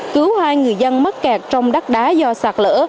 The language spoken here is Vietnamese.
cứu hai người dân mất kẹt trong đắt đá do sạt lỡ